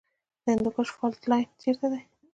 د هندوکش فالټ لاین چیرته دی؟